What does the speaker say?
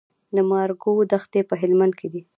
د مارګو دښتې په هلمند کې دي